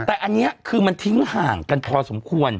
แต่อันนี้คือมันทิ้งห่างกันพอสมควร